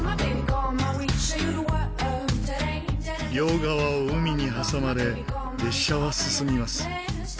両側を海に挟まれ列車は進みます。